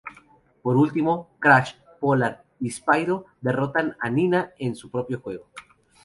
Por último, Crash, Polar y Spyro derrotan a Nina en su propio juego.